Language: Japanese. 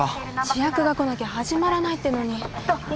主役が来なきゃ始まらないってのに。